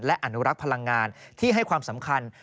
และอนุรักษ์พลังงานที่ให้ความสำคัญ